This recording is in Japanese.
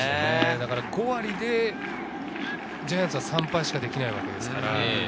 ５割でジャイアンツは３敗しかできないわけですから。